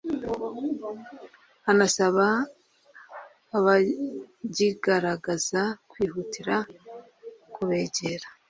anasaba abagigaragaza kwihutira kubegera